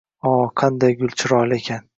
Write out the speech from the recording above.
– O! Qanday gul! Chiroyli ekan! –